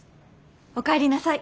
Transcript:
おかえりなさい。